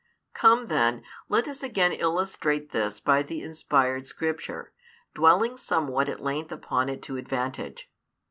Come then, let us again illustrate this by the inspired Scripture, dwelling somewhat at length upon it to advantage.